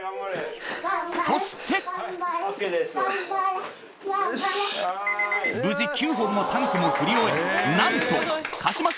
そして無事９本のタンクも振り終えたなんと「貸します」